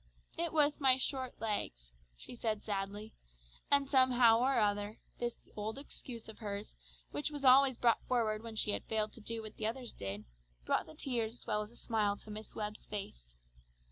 "It wath my short legs," she said sadly, and somehow or other this old excuse of hers, which was always brought forward when she had failed to do what the others did, brought the tears as well as a smile to Miss Webb's face.